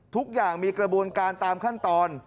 ทุกอย่างมีกระบวนการตามขั้นตอน